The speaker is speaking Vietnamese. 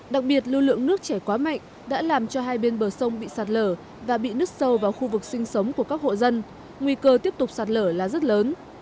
đặc biệt lưu lượng nước chảy quá mạnh đã làm cho hai bên bờ sông bị sạt lở và bị nứt sâu vào khu vực sinh sống của các hộ dân nguy cơ tiếp tục sạt lở là rất lớn